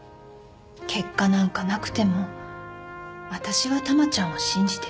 結果なんかなくても私は珠ちゃんを信じてる。